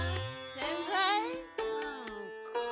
せんざい？